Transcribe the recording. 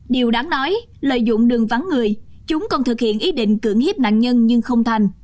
điều đáng nói lợi dụng đường vắng người chúng còn thực hiện ý định cưỡng hiếp nạn nhân nhưng không thành